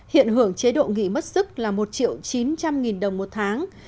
hiện hưởng chế độ nghỉ mất sức là một triệu chín trăm linh nghìn đồng một tháng